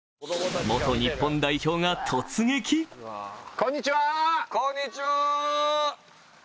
こんにちは。